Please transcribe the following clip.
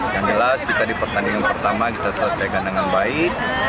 yang jelas kita di pertandingan pertama kita selesaikan dengan baik